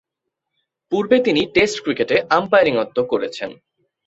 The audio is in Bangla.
পূর্বে তিনি টেস্ট ক্রিকেটে আম্পায়ারিত্ব করেছেন।